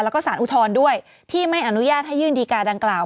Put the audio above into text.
แล้วก็สารอุทธรณ์ด้วยที่ไม่อนุญาตให้ยื่นดีการดังกล่าว